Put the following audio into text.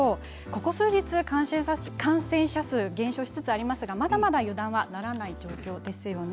ここ数日、感染者数減少しつつありますがまだまだ油断はならない状況ですよね。